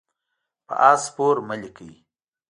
په آس سپور مه لیکئ.